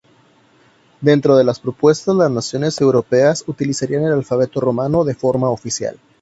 Dentro de las propuestas las naciones europeas utilizarían el alfabeto romano de forma oficial.